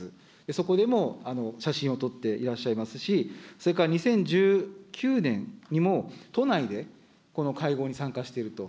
そこでも写真を撮っていらっしゃいますし、それから２０１９年にも、都内でこの会合に参加していると。